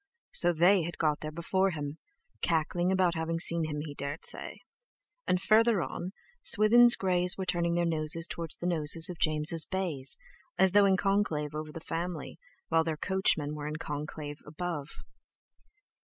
So they had got there before him—cackling about having seen him, he dared say! And further on, Swithin's greys were turning their noses towards the noses of James' bays, as though in conclave over the family, while their coachmen were in conclave above.